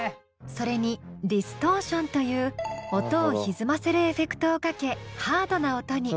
それにディストーションという音をひずませるエフェクトをかけハードな音に。